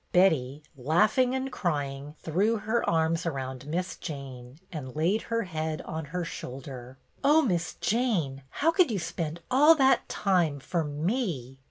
Betty, laughing and crying, threw her arms around Miss Jane and laid her head on her shoulder. " Oh, Miss Jane, how could you spend all that time for me